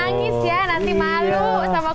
nanti malu sama kucing